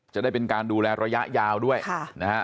จะได้เป็นการดูแลระยะยาวด้วยนะฮะ